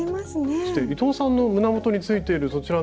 そして伊藤さんの胸元についているそちらのハートも。